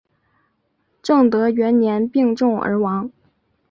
正德元年病重而亡。